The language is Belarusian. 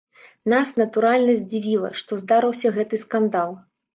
Нас, натуральна, здзівіла, што здарыўся гэты скандал.